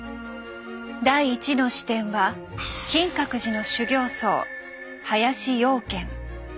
第１の視点は金閣寺の修行僧林養賢。